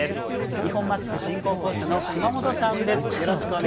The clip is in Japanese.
二本松市振興公社の熊本さんです。